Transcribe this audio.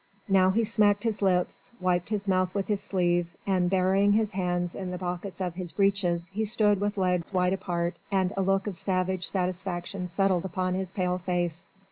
Now he smacked his lips, wiped his mouth with his sleeve, and burying his hands in the pockets of his breeches he stood with legs wide apart and a look of savage satisfaction settled upon his pale face.